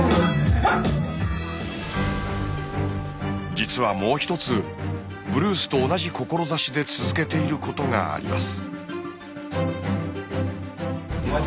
実はもう１つブルースと同じ志で続けていることがあります。